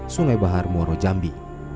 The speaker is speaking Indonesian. sungai bahar moro jambi